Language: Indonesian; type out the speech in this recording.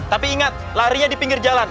tapi ingat larinya di pinggir jalan